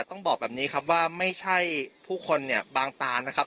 ต้องบอกแบบนี้ครับว่าไม่ใช่ผู้คนเนี่ยบางตานะครับ